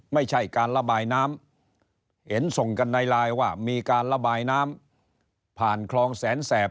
ไม่ใช่การระบายน้ำเห็นส่งกันในไลน์ว่ามีการระบายน้ำผ่านคลองแสนแสบ